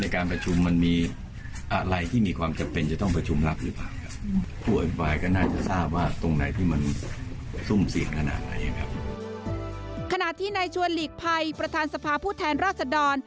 ขณะที่นายชวนหลีกภัยประธานสภาผู้แทนราชดร